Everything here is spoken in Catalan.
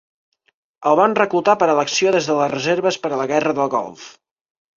El van reclutar per a l'acció des de les reserves per a la Guerra del Golf.